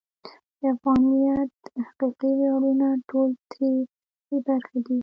د افغانیت حقیقي ویاړونه ټول ترې بې برخې دي.